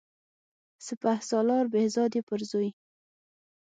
سپه سالار بهزاد یې پرزوي.